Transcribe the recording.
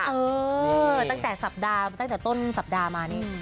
เออตั้งแต่สัปดาห์ตั้งแต่ต้นสัปดาห์มานี่